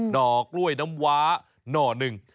ห่อกล้วยน้ำว้าหน่อหนึ่ง